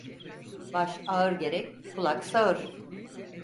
Baş ağır gerek, kulak sağır.